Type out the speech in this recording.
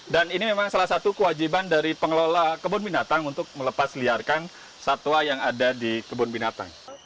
dan ini memang salah satu kewajiban dari pengelola kebun binatang untuk melepasliarkan satwa yang ada di kebun binatang